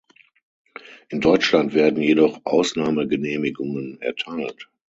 In Deutschland werden jedoch Ausnahmegenehmigungen erteilt.